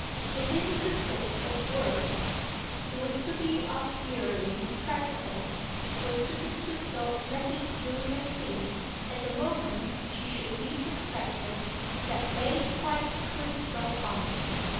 It didn't consist of words it was to be austerely practical, was to consist of letting Julia see, at the moment she should least expect it, that they quite wouldn't go on.